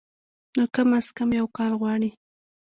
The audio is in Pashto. نو کم از کم يو کال غواړي